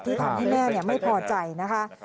ที่ทำให้แม่ไม่พอใจนะคะ